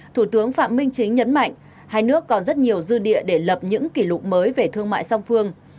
thủ tướng phạm minh chính nhấn mạnh hai nước còn rất nhiều dư địa để lập những kỷ lục mới về thương mại song phương